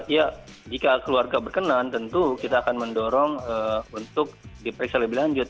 ya jika keluarga berkenan tentu kita akan mendorong untuk diperiksa lebih lanjut